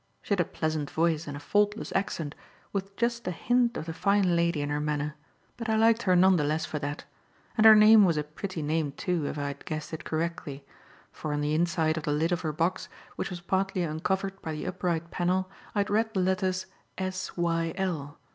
She had a pleasant voice and a faultless accent, with just a hint of the fine lady in her manner; but I liked her none the less for that. And her name was a pretty name, too, if I had guessed it correctly; for, on the inside of the lid of her box, which was partly uncovered by the upright panel, I had read the letters "Syl".